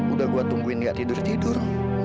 udah gua tungguin dia tidur tidur